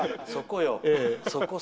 そこよ。